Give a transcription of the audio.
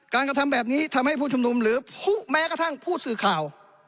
กระทำแบบนี้ทำให้ผู้ชุมนุมหรือผู้แม้กระทั่งผู้สื่อข่าว